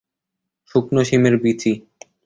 শুকনো শিমের বিচি।